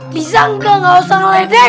bisa gak gak usah ngeledek